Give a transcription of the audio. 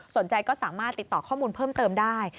สนใจก็สามารถติดต่อข้อมูลเพิ่มเติมได้